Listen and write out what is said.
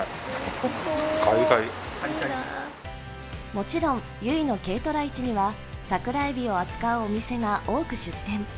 もちろん由比の軽トラ市には桜えびを扱うお店が多く出店。